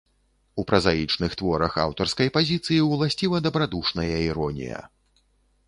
У празаічных творах аўтарскай пазіцыі ўласціва дабрадушная іронія.